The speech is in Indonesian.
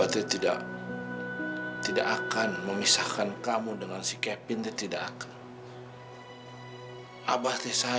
sampai jumpa di video selanjutnya